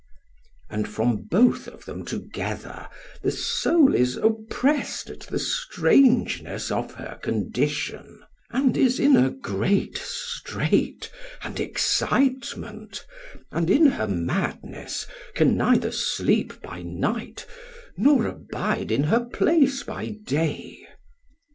And from both of them together the soul is oppressed at the strangeness of her condition, and is in a great strait and excitement, and in her madness can neither sleep by night nor abide in her place by day.